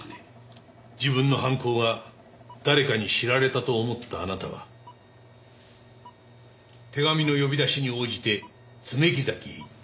自分の犯行が誰かに知られたと思ったあなたは手紙の呼び出しに応じて爪木崎へ行った。